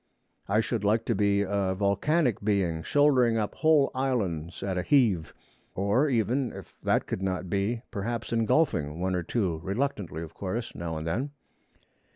I should like to be a volcanic being, shouldering up whole islands at a heave; or even, if that could not be, perhaps engulfing one or two, reluctantly of course, now and then.